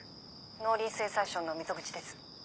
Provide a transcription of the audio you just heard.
農林水産省の溝口です。